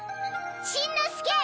しんのすけ！